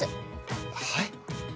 はい？